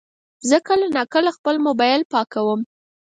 زه کله ناکله خپل موبایل پاکوم.